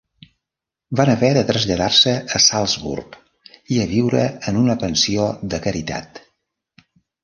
Van haver de traslladar-se a Salzburg i a viure en una pensió de caritat.